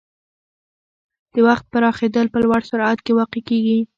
د وخت پراخېدل په لوړ سرعت کې واقع کېږي.